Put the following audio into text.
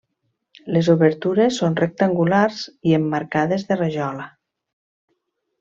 Les obertures són rectangulars i emmarcades de rajola.